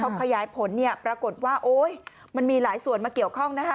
เขาขยายผลเนี่ยปรากฏว่าโอ๊ยมันมีหลายส่วนมาเกี่ยวข้องนะคะ